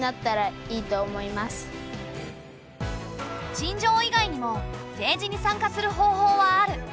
陳情以外にも政治に参加する方法はある。